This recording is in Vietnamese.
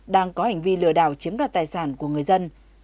đang có hành vi lừa đảo chiếm đoạt tài sản của người dân